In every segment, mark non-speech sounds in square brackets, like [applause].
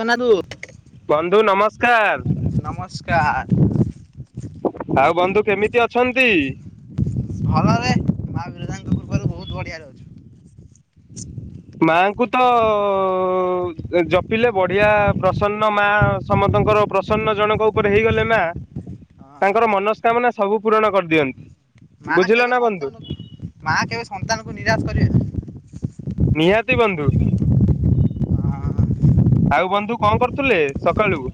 କେନା ଦୁ ବନ୍ଧୁ ନମସ୍କାର। ନମସ୍କାର। ଆଉ ବନ୍ଧୁ କେମିତି ଅଛନ୍ତି? ଭଲରେ ମା ବିରଜାଙ୍କ କୃପାରୁ ବହୁତ ବଢିଆରେ ଅଛି। [inaudible] ମାଙ୍କୁ ତ ଜପିଲେ ବଢିଆ ପ୍ରସନ୍ନ ମା ସମସ୍ତଙ୍କର ପ୍ରସନ୍ନ ଜଣଙ୍କ ଉପରେ ହେଇଗଲେ ନା ହଁ ତାଙ୍କର ମନସ୍କାମନା ସବୁ ପୂରଣ କରିଦିଅନ୍ତି। ମା ବୁଝିଲ କେବେ ନା ବନ୍ଧୁ ସନ୍ତାନକୁ ମା କେବେ ସନ୍ତାନକୁ ନିରାଶ କରିବେନି। ନିହାତି ବନ୍ଧୁ। ହଁ ଆଉ ବନ୍ଧୁ କଣ କରୁଥିଲେ ସକାଳୁ?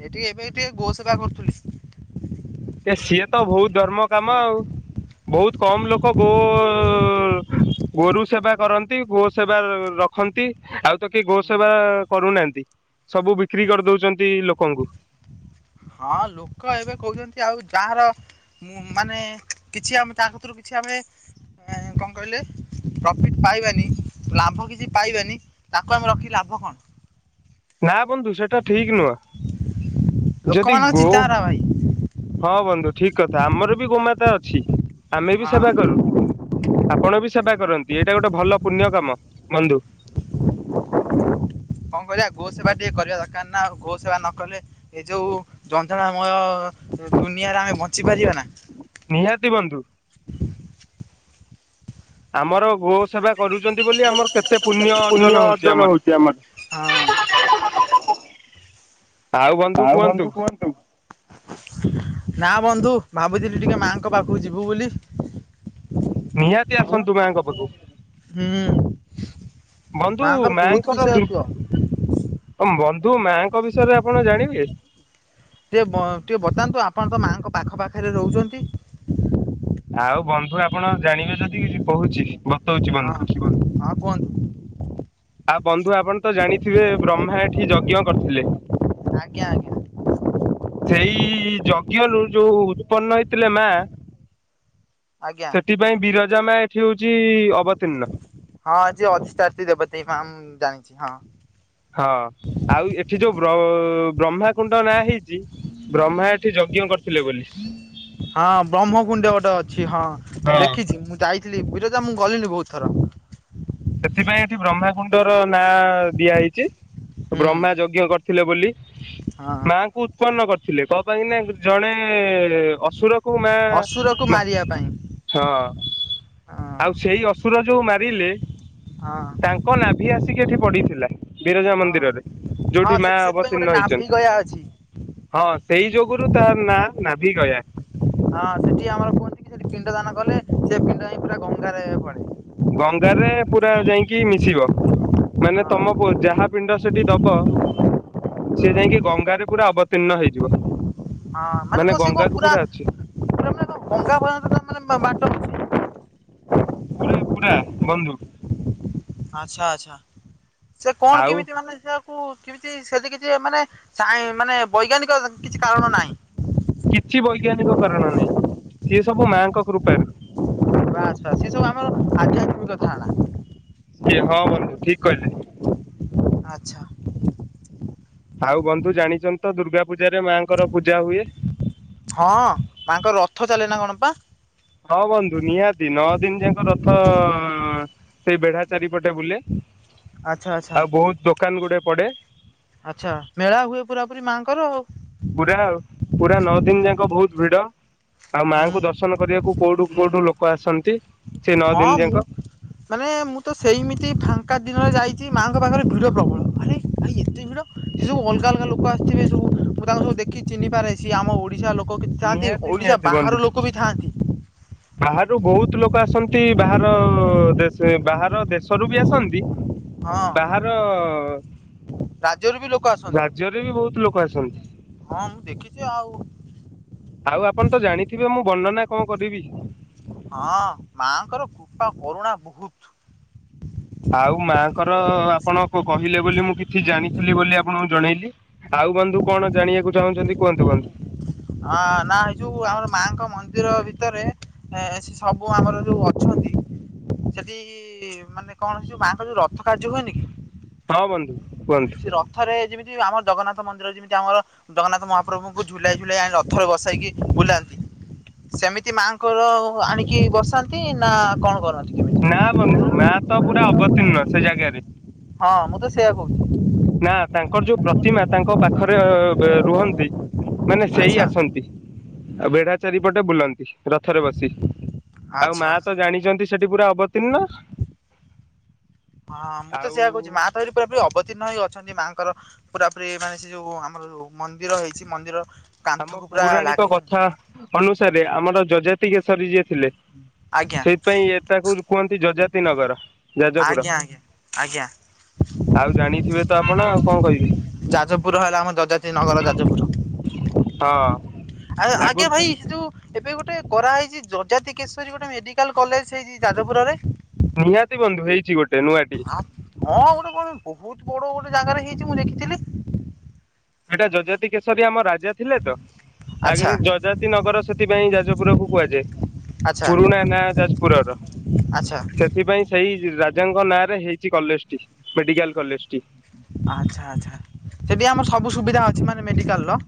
ଏଇଠି ଏବେ ଏଇ ଟିକେ ଗୋ ସେବା କରୁଥିଲି। ଏ ସିଏ ତ ବହୁତ ଧର୍ମ କାମ ଆଉ। ବହୁତ କମ୍ ଲୋକ ଗୋଃ ଗୋରୁ ସେବା କରନ୍ତି। ଗୋ ସେବା ର-ର-ରଖନ୍ତି। ଆଉ ତ କିଏ ଗୋ ହୁଁ। ସେବା କରୁନାହାନ୍ତି। ସବୁ ବିକ୍ରି କରିଦଉଛନ୍ତି ଲୋକଙ୍କୁ। ହଁ ଲୋକ ଏବେ କହୁଛନ୍ତି ଆଉ ଯାହାର ମୁଁ ମାନେ କିଛି ଆମେ ତା କତୁରୁ କିଛି ଆମେ ଏଁ କଣ କହିଲେ ପ୍ରଫିଟ୍ ପାଇବାନି। ଲାଭ କିଛି ପାଇବାନି। ତାକୁ ଆମେ ରଖିକି ଲାଭ କଣ? ନା ବନ୍ଧୁ ସେଇଟା ଠିକ୍ ନୁହଁ। ଯଦି ଲୋକମାନଙ୍କ ଗୋ ଚିନ୍ତାଧାରା ଭାଇ ହଁ ବନ୍ଧୁ ଠିକ୍ କଥା। ଆମର ବି ଗୋମାତା ଅଛି। ଆମେ ବି ହଁ ସେବା କରୁ। ଆପ୍ ଆପଣ ବି ସେବା କରନ୍ତି, ଏଇଟା ଗୋଟେ ଭଲ ପୁଣ୍ୟ କାମ ବନ୍ଧୁ। କଣ କରିବା? ଗୋ ସେବା ଟିକେ କରିବା ଦରକାର ନା ଆଉ। ଗୋ ସେବା ନ କଲେ ଏ ଯୋଉ [unintelligible] ମୟ ଦୁନିଆରେ ଆମେ ବଞ୍ଚିପାରିବା ନା। ନିହାତି ବନ୍ଧୁ। ଆମର ଗୋ ସେବା କରୁଛନ୍ତି ବୋଲି ଆମର କେତେ ପୁଣ୍ୟ ଅର୍ଜନ ହଉଛି ଆମର। ହଁ। ଆଉ ବନ୍ଧୁ କୁହନ୍ତୁ? ନା ବନ୍ଧୁ ଭାବୁଥିଲି ଟିକେ ମାଆଙ୍କ ପାଖୁକୁ ଯିବୁ ବୋଲି। ନିହାତି ଆସନ୍ତୁ ମାଆଙ୍କ ପାଖୁକୁ। ହୁଁ। ବନ୍ଧୁ ବହୁତ ମାଆଙ୍କର ଦୁର୍ ବିଷୟତ୍ଵ। ଅଂ ବନ୍ଧୁ ମାଆଙ୍କ ବିଷୟରେ ଆପଣ ଜାଣିବେ? ଟିକେ ବ ଟିକେ ବତାନ୍ତୁ ଆପଣ ତ ମାଆଙ୍କ ପାଖ ପାଖରେ ରହୁଛନ୍ତି। ଆଉ ବନ୍ଧୁ ଆପଣ ଜାଣିବେ ଯଦି କିଛି କହୁଛି। ବତ୍ ହଁ ହଁ [inaudible] କୁହନ୍ତୁ ହଁ କୁହନ୍ତୁ। ଆଉ ବନ୍ଧୁ ଆପଣ ତ ଜାଣିଥିବେ ବ୍ରହ୍ମା ଏଇଠି ଯଜ୍ଞ କରିଥିଲେ। ଆଜ୍ଞା ଆଜ୍ଞା। ସେଇ ଯଜ୍ଞରୁ ଯୋଉ ଉତ୍ପନ୍ନ ହେଇଥିଲେ ମାଆ ଆଜ୍ଞା। ସେଥିପାଇଁ ବିରଜା ମାଆ ଏଇଠି ହଉଛି ଅବତୀର୍ଣ୍ଣ। ହଁ ଯିଏ ଅଧିଷ୍ଠାତ୍ରୀ ଦେବତୀ ମାଆ ମୁଁ ଜାଣିଛି ହଁ। ହଁ ଆଉ ଏଇଠି ଯୋଉ ବ୍ର-ବ୍ରହ୍ମାକୁଣ୍ଡ ନାଁ ହେଇଛି ବ୍ରହ୍ମା ଏଇଠି ଯଜ୍ଞ କରିଥିଲେ ବୋଲି। ହଁ ବ୍ରହ୍ମକୁଣ୍ଡ୍ୟ ଗୋଟେ ଅଛି ହଁ। ମୁଁ ହଁ ଦେଖିଛି ମୁଁ ଯାଇଥିଲି ବିରଜା ମୁଁ ଗଲିିଣି ବହୁତ ଥର। ସେଥିପାଇଁ ଏଇଠି ବ୍ରହ୍ମାକୁଣ୍ଡର ନାଁ ଦିଆ ହେଇଛି। ହୁଁ। ବ୍ରହ୍ମା ଯଜ୍ଞ କରିଥିଲେ ବୋଲି। ହଁ ମାଆଙ୍କୁ ଉତ୍ପନ୍ନ କରିଥିଲେ। କଣ ପାଇଁକି ନା ଜଣେ ଅସୁର କୁ ମାଆ ଅସୁରକୁ ମା ମାରିବା ପାଇଁ ହଁ ହଁ ଆଉ ସେଇ ଅସୁର ଯୋଉ ମାରିଲେ ହଁ। ତାଙ୍କ ନାଭି ଆସିକି ଏଠି ପଡିଥିଲା ବିରଜା ହଁ ମନ୍ଦିରରେ। ହଁ ଯୋଉଠି ମାଆ ସେଠି ସେଥିପାଇଁ ଗୋଟେ ଅବତୀର୍ଣ୍ଣ ନାଭି ହେଇଛନ୍ ଗୟା ଅଛି ହଁ ସେଇ ଯୋଗୁରୁ ତାହାର ନାଁ ନାଭି ଗୟା। ହଁ ସେଇଠି ଆମର କୁହନ୍ତି କି ସେଇଠି ପିଣ୍ଡ ଦାନ କଲେ ସେ ପିଣ୍ଡ ଯାଇ ପୁରା ଗଙ୍ଗାରେ ପଡେ। ଗଙ୍ଗାରେ ପୁରା ଯାଇକି ମିଶିବ। ହଁ ମାନେ ହଁ ତମ ଯାହା ପିଣ୍ଡ ସେଠି ଦବ? ସେ ଯାଇକି ଗଙ୍ଗାରେ ପୁରା ଅବତୀର୍ଣ୍ଣ ହେଇଯିବ। ହଁ ମାନେ କଣ ସିଏ କଣ ପୁରା ପୁରା ମାନେ କ ଗଙ୍ଗା ପର୍ଯ୍ୟନ୍ତ ମାନେ ବାଟ ପୁରା ପୁରା ବନ୍ଧୁ। ଆଚ୍ଛା ଆଚ୍ଛା। ସେ କଣ ଆଉ କେମିତି ମାନେ ଯ କୋଉ କେମିତି ସେଠି କିଛି ମାନେ ସାଇ ମାନେ ବୈଜ୍ଞାନିକ କିଛି କାରଣ ନାହିଁ? କିଛି ବୈଜ୍ଞାନିକ କାରଣ ନାହିଁ। ସିଏ ସବୁ ମାଙ୍କ କୃପାରୁ। ବାସ ବାସ ସିଏ ସବୁ ଆମର ଆଧ୍ୟାତ୍ମିକ ଧାରଣା। ସିଏ ହଁ ବନ୍ଧୁ ଠିକ୍ କହିଲେ। ଆଚ୍ଛା। ଆଉ ବନ୍ଧୁ ଜାଣିଛନ୍ତି ତ ଦୁର୍ଗା ପୂଜାରେ ମାଆଙ୍କର ପୂଜା ହୁଏ। ହଁ। ମା ଙ୍କ ରଥ ଚାଲେ ନା କଣ ପା? ହଁ ବନ୍ଧୁ ନିହାତି। ନଅ ଦିନ ଯାଙ୍କ ରଥ ସେଇ ବେଢା ଚାରିପଟେ ବୁଲେ। ଆଚ୍ଛା ଆଚ୍ଛା ଆଉ ବହୁତ ଦୋକାନ ଗୁଡେ ପଡେ। ଆଚ୍ଛା। ମେଳା ହୁଏ ପୁରା ପୁରି ମାଆଙ୍କର ଆଉ। ପୁରା ପୁରା ନଅ ଦିନ ଯାକ ବୋହୁତ ଭିଡ। ଆଉ ହୁଁ ମାଙ୍କୁ ଦର୍ଶନ କରିବାକୁ କୋଉଠୁ କୋଉଠୁ ଲୋକ ଆସନ୍ତି। ସେ ନଅ ହଁ ଦିନ ଯାକ ମୁଁ ମାନେ ମୁଁ ତ ସେଇମିତି ଫାଙ୍କା ଦିନରେ ଯାଇଛି ମାଙ୍କ ପାଖରେ ଭିଡ ପ୍ରବଳ। ଭାଇରେ ଭାଇ ଏତେ ଭିଡ? ସିଏ ସବୁ ଅଲଗା ଅଲଗା ଲୋକ ଆସିଥିବେ ସବୁ ମୁଁ ତାଙ୍କୁ ସବୁ ଦେଖି ଚିହ୍ନି ପାରେ ସିଏ ଆମ ଓଡିଶା ଲୋ କ କିଛି ଥାନ୍ତି। ଓଡ଼ିଶା ବାହାର ଲୋକ ବି ଥାଆନ୍ତି। ହ ବାହାରୁ ବୋହୁତ ଲୋକ ଆସନ୍ତି ବାହାର ଦେଶ ବାହାର ଦେଶରୁ ବି ଆସନ୍ତି। ହଁ ବାହାର ରାଜ୍ୟରୁ ବି ଲୋକ ଆସୁ ରାଜ୍ୟରେ ବି ବୋହୁତ ଲୋକ ଆସନ୍ତି। ହଁ ମୁଁ ଦେଖିଛି ଆଉ। ଆଉ ଆପଣ ତ ଜାଣିଥିବେ ମୁଁ ବର୍ଣ୍ଣନା କଣ କରିବି? ହଁ ମାଙ୍କର କୃପା କରୁଣା ବୋହୁତ। ଆଉ ମାଆଙ୍କର ଆପଣ କହିଲେ ବୋଲି ମୁଁ କିଛି ଜାଣିଥିଲି ବୋଲି ଆପଣଙ୍କୁ ଜଣେଇଲି। ଆଉ ବନ୍ଧୁ କଣ ଜାଣିବାକୁ ଚାହୁଁଛନ୍ତି କୁହନ୍ତୁ ବନ୍ଧୁ? ହଁ ନା ଏଇ ଯୋଉ ଆମର ମାଙ୍କ ମନ୍ଦିର ଭିତରେ ଏ ସେ ସବୁ ଆମର ଯୋଉ ଅଛନ୍ତି ସେଠି କି ମାନେ କଣ ଯୋଉ ମାଆ ଙ୍କର ଯୋଉ ରଥ କାର୍ଯ୍ୟ ହୁଏନି କି? ହଁ ବୁନ୍ଧୁ କୁହନ୍ତୁ। ସେ ରଥରେ ଯେମିତି ଆମର ଜଗନ୍ନାଥ ମନ୍ଦିର। ଯେମିତି ଆମର ଜଗନ୍ନାଥ ମହାପ୍ରଭୁଙ୍କୁ ଝୁଲାଇ ଝୁଲାଇ ଆଣି ରଥ ଉପରେ ବସାଇକି ବୁଲାନ୍ତି। ସେମିତି ମାଆଙ୍କର ଆଣିକି ବସାନ୍ତି ନା କଣ କରନ୍ତି? କେମିତି? ନା ବନ୍ଧୁ ମା ତ ପୁରା ଅବତୀର୍ଣ୍ଣ ସେ ଜାଗାରେ। ହଁ ମୁଁ ତ ସେୟା କହୁଛି। ନା ତାଙ୍କର ଯୋଉ ପ୍ରତିମା ତାଙ୍କ ପାଖରେ ରୁହନ୍ତି। ମାନେ ସେଇ ଆଚ୍ଛା ଆସନ୍ତି। ଆଉ ବେଢା ଚାରିପଟେ ବୁଲନ୍ତି ରଥରେ ବସି। ଆଉ ଆଚ୍ଛା ମା ଆଚ୍ଛା। ତ ଜାଣିଛନ୍ତି। ସେଠି ପୁରା ଅବତୀର୍ଣ୍ଣ। ହଁ ମୁଁ ତ ଆଉ ସେଇଆ କହୁଛି। ମା ତ ପୁରା ପୁରି ସେଠି ଅବତୀର୍ଣ୍ଣ ହେଇ ଅଛନ୍ତି ମାଙ୍କ ର ପୁରା ପୁରି ମାନେ ସେ ଯୋଉ ଆମର ମନ୍ଦିର ହେଇଛି ମନ୍ଦିର। ଆମ କାନ୍ଥକୁ ପୁରା ପୌରାଣିକ କଥା। ଲାଗିଛନ୍ତି ଅନୁସାରେ ଆମର ଯଜାତି କେଶରୀ ଯିଏ ଥିଲେ ଆଜ୍ଞା ସେଇଥିପାଇଁ ତା କୁ କୁହନ୍ତି ଯଜାତି ନଗର ଯାଜପୁର। ଆଜ୍ଞା ଆଜ୍ଞା। ଆଜ୍ଞା ଆଉ ଜାଣିଥିବେ ତ ଆପଣ ଆଉ କଣ କହିବି। ଯାଜପୁର ହେଲା ଆମ ଯଜାତି ନଗର ଯାଜପୁର। ହଁ ଆଉ ଆଜ୍ଞା ଆଗରୁ ତ ଭାଇ ଯଉ। ଏବେ ଗୋଟେ କରାହେଇଛି। ଯଜାତି କେଶରୀ ଗୋଟେ ମେଡିକାଲ କଲେଜ ହେଇଛି ଯାଜପୁର ରେ? ନିହାତି ବନ୍ଧୁ ହେଇଛି ଗୋଟେ ନୁଆଟି। ହଁ ଗୋଟେ କଣ ବହୁତ ବଡ ଗୋଟେ ଜାଗାରେ ହେଇଛି ମୁଁ ଦେଖିଥିଲି। ସେଇଟା ଯଜାତି କେଶରୀ ଆମ ରାଜା ଥିଲେ ତ ଆଗ ଆଚ୍ଛା। ଯଜାତି ନଗର ସେଥିପାଇଁ ଯାଜପୁର କୁ କୁହାଯାଏ। ଆଚ୍ଛା ପୁରୁଣା ନା ଯାଜପୁରର। ଆଚ୍ଛା। ସେଥିପାଇଁ ସେଇ ରାଜାଙ୍କ ନାଁ ରେ ହେଇଛି କଲେଜଟି ମେଡିକାଲ କଲେଜ ଟି। ଆଚ୍ଛା ଆଚ୍ଛା ସେଠି ଆମର ସବୁ ସୁବିଧା ଅଛି ମାନେ ମେଡିକାଲର।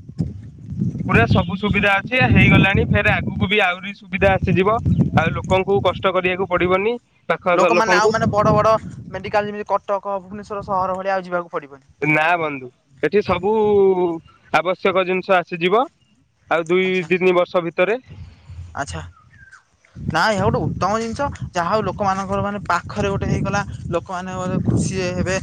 ପୁରା ସବୁ ସୁବିଧା ଅଛି ହେଇଗଲାଣି ଫେରେ ଆଗକୁ ବି ଆହୁରି ସୁବିଧା ଆସିଯିବ। ଆଉ ଲୋକଙ୍କୁ କଷ୍ଟ କରିବାକୁ ପଡିବନି ପାଖ ଆଖ ଲୋକମାନେ ଆଉ ଲୋକଙ୍କୁ ମାନେ ବଡ ବଡ ମେଡିକାଲ ଯେମିତି କଟକ, ଭୁବନେଶ୍ଵର, ସହର ଭଳିଆ ଆଉ ଯିବାକୁ ପଡିବନି। ନା ବନ୍ଧୁ ଏଠି ସବୁ ଆବଶ୍ୟକ ଜିନିଷ ଆସିଯିବ ଆଉ ଦୁଇ ଆଚ୍ଛା ତିନି ବର୍ଷ ଭିତରେ। ଆଚ୍ଛା। ନା ଏହା ଗୋଟେ ଉତ୍ତମ ଜିନିଷ ଯାହା ହଉ ଲୋକମାନଙ୍କର ମାନେ ପାଖରେ ଗୋଟେ ହେଇଗଲା। ଲୋକ ମାନେ ମେ ଖୁସି ହେବେ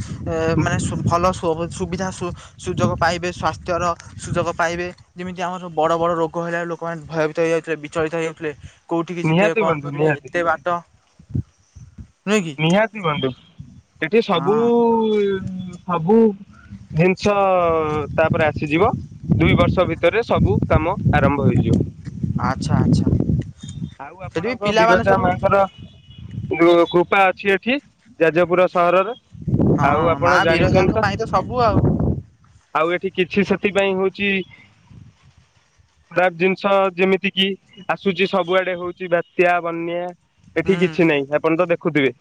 ମାନେ ଭଲ ସୁବିଧା ସୁ ସୁଯୋଗ ପାଇବେ ସ୍ୱାସ୍ଥ୍ୟର ସୁଯୋଗ ପାଇବେ ଯେମିତି ଆମର ବଡ ବଡ ରୋଗ ହେଲା ଲୋକମାନେ ଭୟଭୀତ ହେଇଯାଉଥିଲେ ବିଚଳିତ ହେଉଥିଲେ କେଉଁଠିକି ଯିବେ ନିହାତି କଣ ବନ୍ଧୁ କରିବେ ନିହାତି ଏତେ ବାଟ। ନୁହେଁ କି ନିହାତି ବନ୍ଧୁ ସେଠି ସବୁ ହଁ ସବୁ। ଜିନିଷ ତାପରେ ଆସିଯିବ। ଦୁଇ ବର୍ଷ ଭିତରେ ସବୁ କାମ ଆରମ୍ଭ ହେଇଯିବ। ଆଚ୍ଛା ଆଚ୍ଛା। ଆଉ ସେଠି ବି ଆପଣଙ୍କ ପିଲାମାନେ ବିରଜା ସବୁ ମା ଙ୍କର କୃପା ଅଛି ଏଠି ଯାଜପୁର ସହର। ହଁ ମା ବିରଜାଙ୍କ ପାଇଁ ତ ସବୁ ଆଉ। ଆଉ ଏଠି କିଛି ସେଥିପାଇଁ ହଉଛି ତା ଜିନିଷ ଯେମିତି କିି ଆସୁଛି ସବୁଆଡେ ହଉଛି ବାତ୍ୟା ବନ୍ୟା। ଏଠି ହୁଁ କିଛି ନାହିଁ ଆପଣ ତ ଦେଖୁଥିବେ।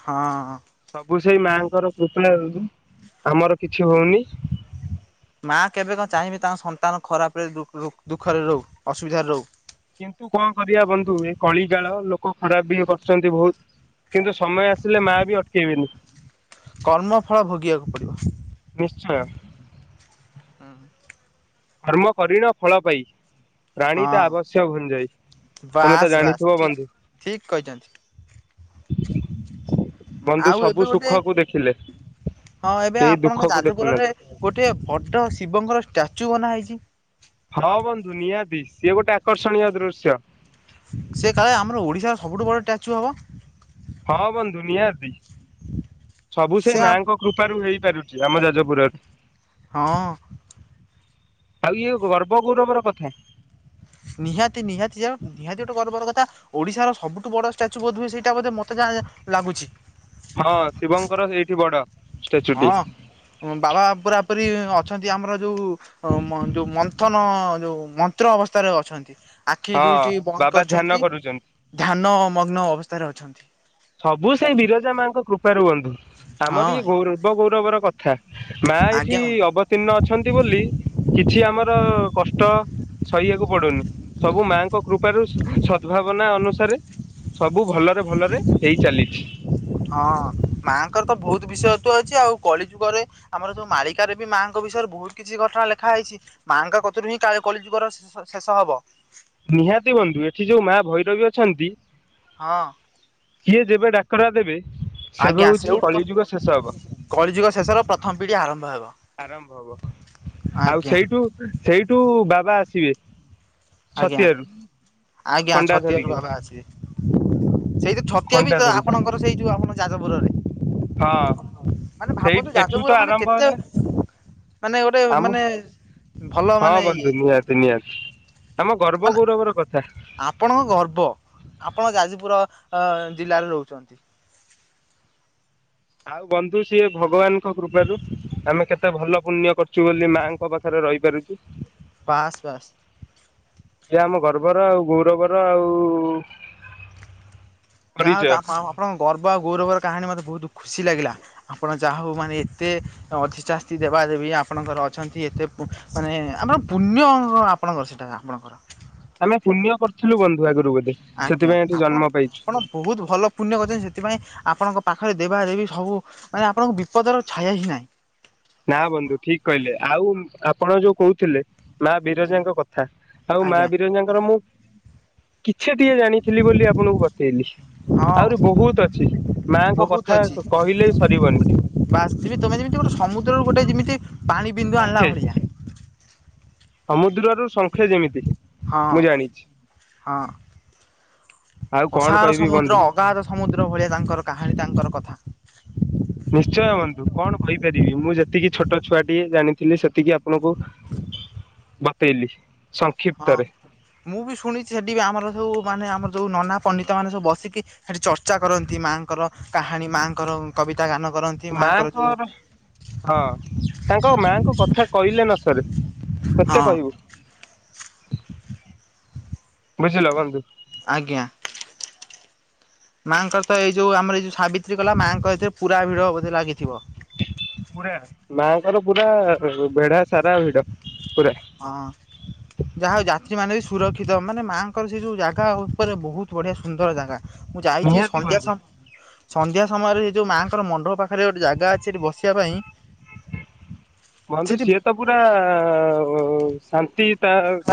ହଁ। ସବୁ ସେଇ ମାଆଙ୍କର କୃପାରୁ ଆମର କିଛି ହଉନି। ମା କେବେ କଣ ଚାହିଁବେ ତାଙ୍କ ସନ୍ତାନ ଖରାପରେ ଦୁଃଖରେ ରହୁ ଅସୁବିଧାରେ ରହୁ। କିନ୍ତୁ କଣ କରିବା ବନ୍ଧୁ ଏ କଳି ଜାଳ ଲୋକ ଖରାପ ବି କରୁଛନ୍ତି ବହୁତ। କିନ୍ତୁ ସମୟ ଆସିଲେ ମା ବି ଅଟକେଇ ବେନି। କର୍ମଫଳ ଭୋଗିବାକୁ ପ ନିଶ୍ଚୟ। ହୁଁ। ଧର୍ମ କରିଣ ଫଳ ପାଇ। ରାଣୀ ତ ହଁ ଆବଶ୍ୟ ଭୁଞ୍ଜଇ ତମେ ତ ବାସ୍ ବାସ୍ ଜାଣିଥିବ ଠିକ୍ ବନ୍ଧୁ। ଠିକ୍ କହିଛନ୍ତି ବନ୍ଧୁ ଆଉ ଏବେ ସବୁ ଗୋଟେ ସୁଖକୁ ଦେଖିଲେ। କେହି ଦୁଃଖକୁ ଦେଖୁ ନାହାନ୍ତି। ଗୋଟିଏ ବଡ ଶିବଙ୍କର ଷ୍ଟାଚୁ ବନା ହେଇଚି। ହଁ ବନ୍ଧୁ ନିହାତି ସିଏ ଗୋଟେ ଆକର୍ଷଣୀୟ ଦୃଶ୍ୟ। ସେ କାଳେ ଆମର ଓଡ଼ିଶାର ସବୁଠୁ ବଡ ଷ୍ଟାଚୁ ହବ। ହଁ ବନ୍ଧୁ ନିହାତି। ସବୁ ସେ ସେଇ ମାଆଙ୍କ କୃପାରୁ ହେଇପାରୁଚି ଆମ ଯାଜପୁରରେ। ହଁ ଅଁ। ଆଉ ଇଏ ଗର୍ବ ଗୌରବର କଥା। ନିହାତି ନିହାତି ଯାଅ। ନିହାତି ଗୋଟେ ଗର୍ବର କଥା। ଓଡ଼ିଶାର ସବୁଠୁ ବଡ ଷ୍ଟାଚୁ ବୋଧହୁଏ ସେଇଟା ବୋଧ ମୋତେ ଯାହା ଲାଗୁଚି। ହଁ ଶିବଙ୍କର ସେଇଠି ବଡ। ଷ୍ଟାଚୁଟି ହଁ ବାବା ପୁରା ପୁରି ଅଛନ୍ତି ଆମର ଯୋଉ ହଁ ମ ଯୋଉ ମନ୍ଥନ ଯୋଉ ମନ୍ତ୍ର ଅବସ୍ଥାରେ ଅଛନ୍ତି। ଆଖି ହଁ ଦୁଇଟି ବନ୍ଦ ବାବା ଧ୍ୟାନ କରିଚନ୍ତି କରୁଛନ୍ତି। ଧ୍ୟାନ ମଗ୍ନ ଅବସ୍ଥାରେ ଅଛନ୍ତି। ସବୁ ସେଇ ବିରଜା ମାଙ୍କ କୃପାରୁ ବନ୍ଧୁ। ହଁ ଆମରି ଭାଇ ଗୌର ଗର୍ବ ଗୌରବର କ ଥା ମା ଏଇଠି ଆଜ୍ଞା ବନ୍ଧୁ ଅବତୀର୍ଣ୍ଣ ଅଛନ୍ତି ବୋଲି କିଛି ଆମର ର କଷ୍ଟ ସହିବାକୁ ପଡୁନି। ସବୁ ମାଙ୍କ କୃପାରୁ ସ ସଦଭାବନା ଅନୁସାରେ ସବୁ ଭଲରେ ଭଲରେ ହେଇ ଚାଲିଛି। ହଁ ମାଆଙ୍କର ତ ବହୁତ ବିଶୟତ୍ୱ ଅଛି ଆଉ କଳି ଯୁଗରେ ଆମର ଯୋଉ ମାଳିକାରେ ବି ମାଆଙ୍କ ବିଷୟରେ ବହୁତ କିଛି ଘଟଣା ଲେଖା ହେଇଚି। ମାଆଙ୍କ କତିରୁ ହିଁ କାଳେ କଳି ଯୁଗର ଶ ଶେଷ ହବ। ନିହାତି ବନ୍ଧୁ ଏଠି ଯୋଉ ମା ଭୈରବୀ ଅଛନ୍ତି ହଁ। ସିଏ ଯେବେ ଡାକରା ଦେବେ ସେବେ ଆଜ୍ଞା ହଉଚି ସେଇଠୁ ତ କଳିଯୁଗ ଶେଷ ହବ। କଳିଯୁଗ ଶେଷର ପ୍ରଥମ ପିଢ଼ି ଆରମ୍ଭ ହେବ। ଆରମ୍ଭ ହବ ଆଉ ଆଜ୍ଞା ସେଇଠୁ ସେଇଠୁ ବାବା ଆସିବେ ଆଜ୍ଞା ଛତିଆରୁ। ଆଜ୍ଞା ଖଣ୍ଡା ଛତିଆରୁ ଧରିକି ବାବା ଆସିବେ। ସେଇଯେ ଛତିଆ ବି ଖଣ୍ଡା ତ ଧରିକି ଆପଣଙ୍କର ସେଇ ଯୋଉ ଆପଣ ଯାଜପୁରରେ। ହଁ ମାନେ ସେଇ ଭାବନ୍ତୁ ଏଠୁ ତ ଯାଜପୁର ମାନେ ଆରମ୍ଭ କେତେ ହେଲେ ମାନେ ଗୋଟେ ଆମ ମାନେ ଭଲ ମାନେ ଇଏ ତି ନିହାତି ଆମ ଗର୍ବ ମାନେ ଗୌରବର କଥା। ଆପଣଙ୍କ ଗର୍ବ। ଆପଣ ଯାଜପୁର ଜିଲ୍ଲାରେ ରହୁଚନ୍ତି। ଆଉ ବନ୍ଧୁ ସିଏ ଭଗବାନଙ୍କ କୃପାରୁ ଆମେ କେତେ ଭଲ ପୁଣ୍ୟ କର ଚୁ ବୋଲି ମାଙ୍କ ପାଖରେ ରହିପାରୁଚୁ। ବାସ୍ ବାସ୍। ସେ ଆମ ଗର୍ବର ଆଉ ଗୌରବର ଆଉ ଯାହା ହଉ ପରିଚୟ। ତା ଆପଣ ଆପଣଙ୍କ ଗର୍ବ ଆଉ ଗୌରବର କାହାଣୀ ମତେ ବହୁତ ଦୁଃ ଖୁସି ଲାଗିଲା। ଆପଣ ଯାହା ହଉ ମାନେ ଏତେ ଅଧିଚାସ୍ତି ଦେବା ଦେବୀ ଆପଣଙ୍କର ଅଛନ୍ତି ଏତେ ଉ ମାନେ ଆପଣ ପୁଣ୍ୟ ଆପଣଙ୍କର ସେଇଟା ଆପଣଙ୍କର। ଆମେ ପୁଣ୍ୟ କରିଥିଲୁ ବନ୍ଧୁ ଆଗରୁ ବୋଧେ ଆଜ୍ଞା ସେଥିପାଇଁ ଏଠି ଆପଣ ଜନ୍ମ ପାଇଛୁ। ଆପଣ ବହୁତ ଭଲ ପୁଣ୍ୟ କରିଚନ୍ତି ସେଥିପାଇଁ ଆପଣଙ୍କ ପାଖରେ ଦେବା ଦେବୀ ସବୁ ମାନେ ଆପଣଙ୍କ ବିପଦର ଛାୟା ହିଁ ନାହିଁ। ନା ବନ୍ଧୁ ଠିକ କହିଲେ ଆଉ ଆପଣ ଯୋଉ କହୁଥିଲେ। ମା ଆଜ୍ଞା ବିରଜାଙ୍କ କଥା ଆଉ ମା ଆଜ୍ଞା ବିରଜାଙ୍କର ମୁଁ କିଛା ଟିଏ ଜାଣିଥିଲି ବୋଲି ଆପଣଙ୍କୁ ବତେଇଲି। ହଁ ଆହୁରି ବହୁତ ଅଛି ମାଙ୍କ କଥା କହିଲେ ସରିବନି। ବାସଥିବି ତମେ ଯେମିତି ଗୋଟେ ସମୁଦ୍ରରୁ ଗୋଟେ ଯେମିତି ପାଣି ବିନ୍ଦୁ ଆଣିଲା ଭଳିଆ ସମୁଦ୍ର ରୁ ସଙ୍ଖେ ଯେମିତି। ହଁ ମୁଁ ଜାଣିଛି ହଁ ଆଉ କଣ ଅସାର କହିବି ସମୁଦ୍ର ବନ୍ଧୁ। ଅଗାଧ ସମୁଦ୍ର ଭଳିଆ ତାଙ୍କର କାହାଣୀ ତାଙ୍କର କଥା। ନିଶ୍ଚୟ ବନ୍ଧୁ କଣ କହିପାରିବି ମୁଁ ଯେତିକି ଛୋଟ ଛୁଆଟିଏ ଜାଣିଥିଲି ସେତିକି ଆପଣଙ୍କୁ ବତେଇଲି ସ ହଁ ମୁଁ ବି ଶୁଣିଛି ସେଠି ବି ଆମର ସବୁ ମାନେ ଆମର ଯୋଉ ନନା ପଣ୍ଡିତ ମାନେ ସବୁ ବସିକି ସେଠି ଚର୍ଚ୍ଚା କରନ୍ତି ମାଆଙ୍କର, କାହାଣୀ ମାଆଙ୍କର କବିତା ଗାନ କର ନ୍ତି ମାଆଙ୍କର ଯୋଉ ମାଙ୍କର ହଁ। ତାଙ୍କ ମାଙ୍କ କଥା କହିଲେ ନ ସରେ କେତେ ହଁ କହିବୁ। ବୁଝିଲ ବନ୍ଧୁ। ଆଜ୍ଞା। ମାଆଙ୍କର ତ ଏଇ ଯୋଉ ଆମର ଏ ଯଉ ସାବିତ୍ରୀ କଲା ମାଆଙ୍କର ଏଥିରେ ପୁରା ଭିଡ ବୋଧେ ଲାଗିଥିବ। ପୁରା ମାଙ୍କର ପୁରା ବେଢା ସାରା ଭିଡ ପୁରା। ହଁ। ଯାହା ହଉ ଯାତ୍ରୀ ମାନେ ବି ସୁରକ୍ଷିତ ମାନେ ମାଆଙ୍କର ସେଇ ଯୋଉ ଜାଗା ଉପରେ ବହୁତ ବଢିଆ ସୁନ୍ଦର ଜାଗା। ମୁଁ ଯାଇଛି, ନିହାତି ସନ୍ଧ୍ୟା ବନ୍ଧୁ। ସମ ସନ୍ଧ୍ୟା ସମୟରେ ଏଇ ଯୋଉ ମାଙ୍କର ମଣ୍ଡପ ପାଖରେ ଗୋଟେ ଜାଗା ଅଛି ସେଠି ବସିବା ପାଇଁ। ବନ୍ଧୁ ସେଠି ସିଏ ତ ପୁରା ଶାନ୍ତି।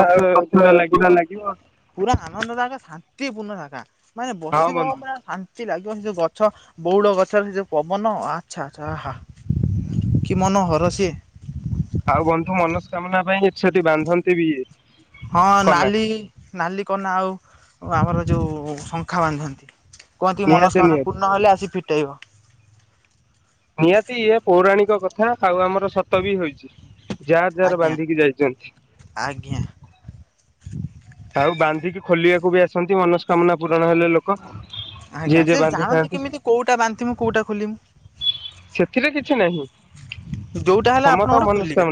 ଆ ପଛଲେ ପୁରା ଲାଗିବ। ପୁରା ଆନନ୍ଦ ଜାଗା ଶାନ୍ତିପୂର୍ଣ୍ଣ ଜା ଗା ମାନେ ହଁ ବସିବ ବନ୍ଧୁ ପୁରା ସା ନ୍ତି ଲାଗିବ ସେ ଯୋଉ ଗଛ ବଉଳ ଗଛରେ ସେ ଯୋଉ ପବନ ଆଚ୍ଛା ଆଚ୍ଛା ଆହା। କି ମନ ହରସୀଏ। ଆଉ ବନ୍ଧୁ ମନସ୍କାମନା ପାଇଁ ଏଠି ସେଠି ବାନ୍ଧନ୍ତି ବି ଇଏ। ହଁ ନାଲି ନାଲି କନା ଆଉ ଆମର ଯୋଉ ଶଙ୍ଖା ବାନ୍ଧନ୍ତି। କୁହନ୍ତିି ନିହାତି ମନସ୍କନା ନିହାତି ପୂର୍ଣ୍ଣ ହେଲେ ଆସି ଫିଟେଇବ। ନିହାତି ଇଏ ପୌରାଣିକ କଥା ଆଉ ଆମର ସତ ବି ହୋଇଛି। ଯାହାର ଯାହାର ଆଜ୍ଞା ବାନ୍ଧିକି ଯାଇଛନ୍ତି। ଆଜ୍ଞା। ଆଉ ବାନ୍ଧିକି ଖୋଲିବାକୁ ବି ଆସନ୍ତି ମନସ୍କାମନା ପୂରଣ ହେଲେ ଲୋକ। ଯିଏ ଆଜ୍ଞା ଯିଏ ସେ ଜାଣନ୍ତି ବାନ୍ଧିଥାନ୍ତି। କେମିତି କୋଉଟା ବାନ୍ଧୀମୁ କୋଉଟା ଖୋଲିମୁ? ସେଥିରେ କିଛି ନାହିଁ ଯୋଉଟା ହେଲା ଆପଣ ସମସ୍ତଙ୍କ ଗୋଟେ ଖୋଲିବେ। ମନସ୍କାମନା